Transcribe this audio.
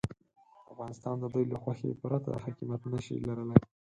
افغانستان د دوی له خوښې پرته حاکمیت نه شي لرلای.